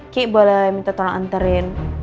ki boleh minta tolong anterin